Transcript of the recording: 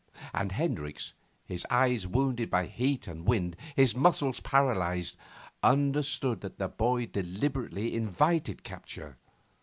And Hendricks, his eyes wounded by heat and wind, his muscles paralysed, understood that the boy deliberately invited capture.